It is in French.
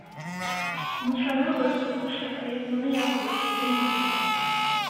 Nous sommes heureux de vous souhaiter nos meilleurs vœux pour deux mille quinze.